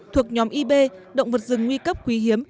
thuộc nhóm ib động vật rừng nguy cấp quý hiếm